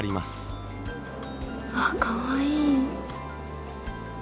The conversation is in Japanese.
あかわいい。